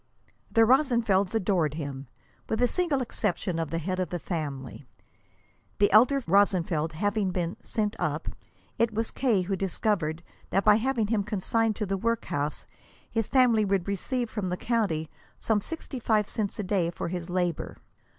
The Rosenfelds adored him, with the single exception of the head of the family. The elder Rosenfeld having been "sent up," it was K. who discovered that by having him consigned to the workhouse his family would receive from the county some sixty five cents a day for his labor.